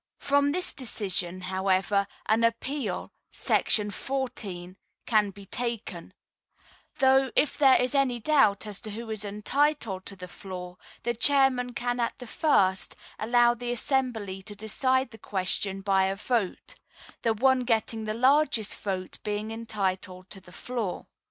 From this decision, however, an appeal [§ 14] can he taken; though if there is any doubt as to who is entitled to the floor, the Chairman can at the first allow the assembly to decide the question by a vote—the one getting the largest vote being entitled to the floor.